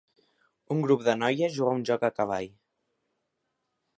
Un grup de noies juga a un joc a cavall.